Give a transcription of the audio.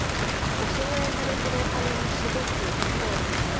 お供えされてるお花もすごくきれいですね。